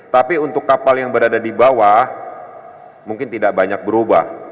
tapi untuk kapal yang berada di bawah mungkin tidak banyak berubah